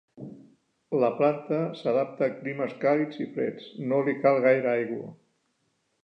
La planta s'adapta a climes càlids i freds i no li cal gaire aigua.